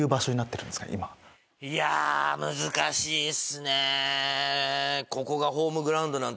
いや難しいっすね。